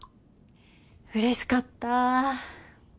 うれしかった。